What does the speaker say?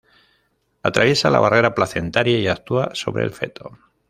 Atraviesa la barrera placentaria y actúa sobre el feto.